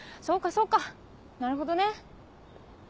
そうかそうかなるほどね。